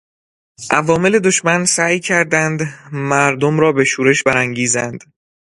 عوامل دشمن سعی کردند مردم را به شورش برانگیزند.